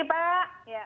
terima kasih pak